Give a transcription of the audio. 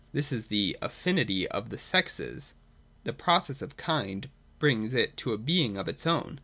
This is the Affinity of the Sexes. 221.] The process of Kind brings it to a being of its own.